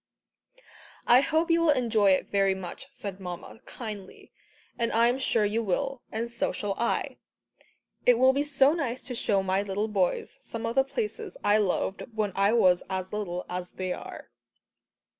"I hope you will enjoy it very much," said Mamma kindly, "and I am sure you will, and so shall I. It will be so nice to show my little boys some of the places I loved when I was as little as they are."